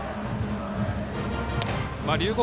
龍谷